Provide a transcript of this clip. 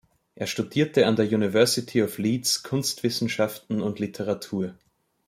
Er studierte an der University of Leeds Kunstwissenschaften und Literatur.